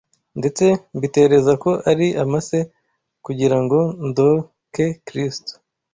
ndetse mbitereza ko ari amase, kugira ngo ndoke Kristo